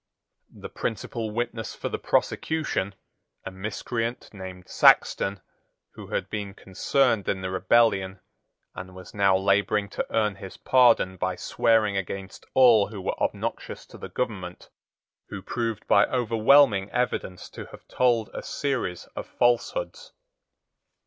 The principal witness for the prosecution, a miscreant named Saxton, who had been concerned in the rebellion, and was now labouring to earn his pardon by swearing against all who were obnoxious to the government, who proved by overwhelming evidence to have told a series of falsehoods.